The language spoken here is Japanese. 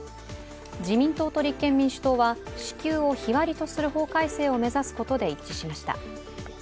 自民党と立憲民主党は支給を日割りとする法改正を目指すことで一致しました。